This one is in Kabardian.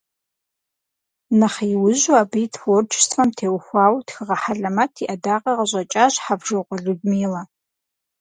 Нэхъ иужьу абы и творчествэм теухуауэ тхыгъэ хьэлэмэт и Ӏэдакъэ къыщӀэкӀащ Хьэвжокъуэ Людмилэ.